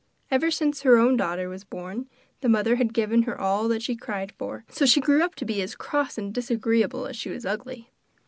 Ever since her own daughter was born the mother had given her all that she cried for, so she grew up to be as cross and disagreeable as she was ugly.